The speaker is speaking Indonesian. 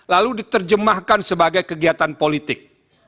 lalu diterjemahkan sebagai kegiatan politik